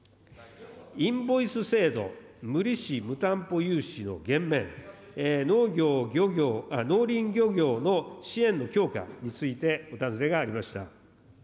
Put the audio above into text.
インボイス制度、無利子無担保融資の減免、農林漁業の支援の強化についてお尋ねがありました。